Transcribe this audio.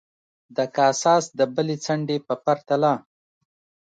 د کاساس د بلې څنډې په پرتله.